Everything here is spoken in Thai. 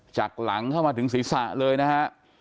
จากหลังเข้ามาถึงศีรษะเลยนะฮะ